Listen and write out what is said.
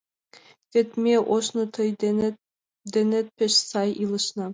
Вет ме ожно тый денет пеш сай илышна.